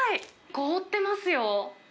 凍ってますよ。